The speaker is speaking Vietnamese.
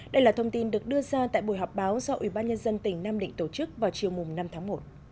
đây là thông tin được đưa ra tại buổi họp báo do ủy ban nhân dân tỉnh nam định tổ chức vào chiều năm tháng một